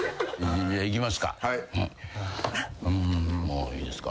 いきますか。